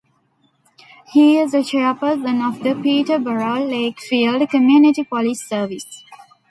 He is the chairperson of the Peterborough Lakefield Community Police Service.